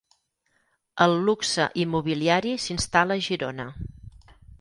El luxe immobiliari s'instal·la a Girona.